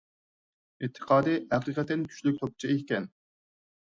ئېتىقادى ھەقىقەتەن كۈچلۈك توپچى ئىكەن